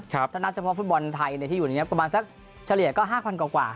ถ้านับเฉพาะฟุตบอลไทยที่อยู่ในนี้ประมาณสักเฉลี่ยก็๕๐๐กว่า